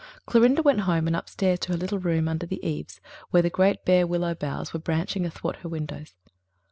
Clorinda went home and upstairs to her little room under the eaves, where the great bare willow boughs were branching athwart her windows.